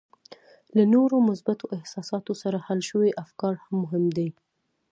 له نورو مثبتو احساساتو سره حل شوي افکار هم مهم دي